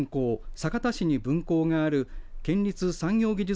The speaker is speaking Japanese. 酒田市に分校がある県立産業技術